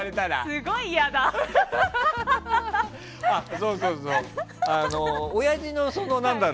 すごい嫌だ。